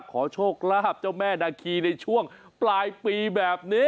ขอโชคลาภเจ้าแม่นาคีในช่วงปลายปีแบบนี้